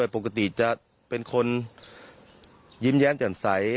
ปกติจะเป็นคนยิ้มแย้มแจ่มใส